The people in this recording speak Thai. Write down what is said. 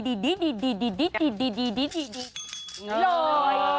อยู่เลย